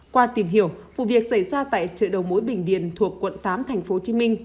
qua tìm hiểu vụ việc xảy ra tại chợ đầu mối bình điền thuộc quận tám tp hcm